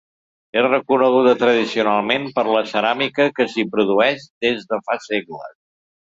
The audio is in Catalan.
És reconeguda tradicionalment per la ceràmica que s'hi produeix des de fa segles.